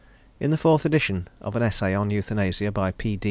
In the fourth Edition of an essay on Euthanasia, by P.